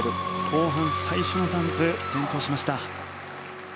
後半最初のジャンプ転倒しました。